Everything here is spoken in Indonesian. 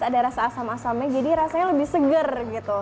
ada rasa asam asamnya jadi rasanya lebih seger gitu